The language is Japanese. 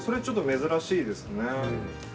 ちょっと珍しいですね。